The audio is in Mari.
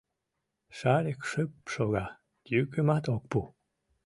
Шарик шып шога, йӱкымат ок пу.